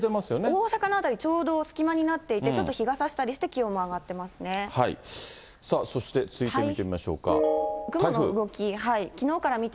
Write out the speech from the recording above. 大阪の辺り、ちょうど隙間になっていて、ちょっと日がさしたそして続いて見てみましょうか。